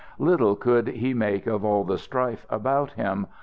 Little could he make of all the strife about him.